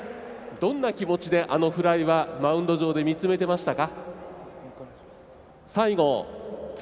どんな気持ちで、あのフライはマウンド上で見つめていましたか。